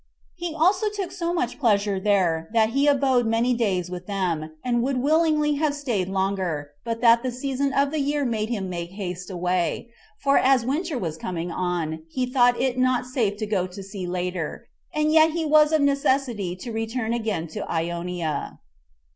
He also took so much pleasure there, that he abode many days with them, and would willingly have staid longer, but that the season of the year made him make haste away; for as winter was coming on, he thought it not safe to go to sea later, and yet he was of necessity to return again to Ionia.